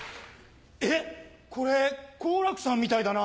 えっこれ好楽さんみたいだな。